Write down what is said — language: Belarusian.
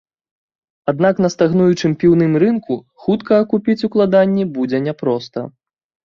Аднак на стагнуючым піўным рынку хутка акупіць укладанні будзе няпроста.